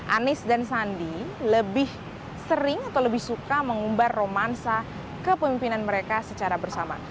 anies dan sandi lebih sering atau lebih suka mengumbar romansa kepemimpinan mereka secara bersama